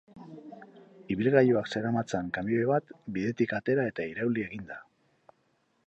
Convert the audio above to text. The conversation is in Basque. Ibilgailuak zeramatzan kamioi bat bidetik atera eta irauli egin da.